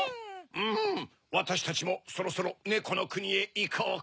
うんわたしたちもそろそろねこのくにへいこうか。